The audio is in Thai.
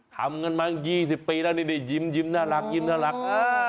ทำกันมา๒๐ปีแล้วนี่ยิ้มน่ารักยิ้มน่ารัก